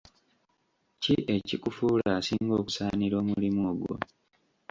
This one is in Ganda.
Ki ekikufuula asinga okusaanira omulimu ogwo?